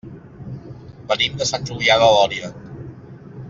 Venim de Sant Julià de Lòria.